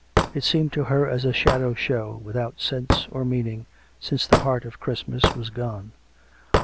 It seemed to her as a shadow show without sense or meaning, since the heart of Christmas was gone.